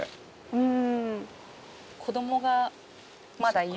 うん。